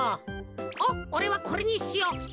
おっおれはこれにしよう。